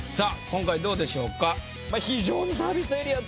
今回どうでしょうか？